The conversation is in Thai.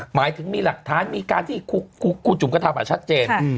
หมายถึงมีหลักฐานมีการที่ครูจุ๋มกระทำชัดเจน